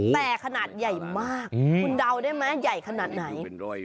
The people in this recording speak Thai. แต่ขนาดใหญ่มากคุณเดาได้ไหมใหญ่ขนาดไหน